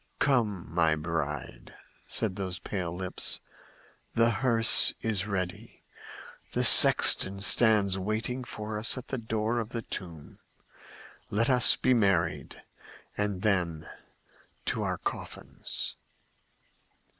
"Come, my bride!" said those pale lips. "The hearse is ready; the sexton stands waiting for us at the door of the tomb. Let us be married, and then to our coffins!"